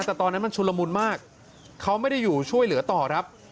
แต่ตอนนั้นมันชุลมุนมากเขาไม่ได้อยู่ช่วยเหลือต่อครับ